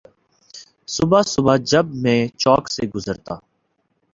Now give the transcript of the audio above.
صبح صبح جب میں چوک سے گزرتا